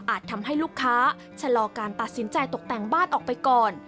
ทำให้ลูกค้าชะลอการตัดสินใจตกแต่งบ้านออกไปก่อน